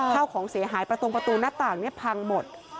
ข้าวของเสียหายประตงประตูหน้าต่างเนี่ยพังหมด